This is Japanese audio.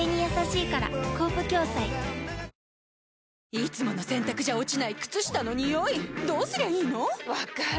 いつもの洗たくじゃ落ちない靴下のニオイどうすりゃいいの⁉分かる。